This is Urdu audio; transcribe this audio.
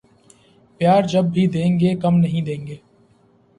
پیار جب بھی دینگے کم نہیں دینگے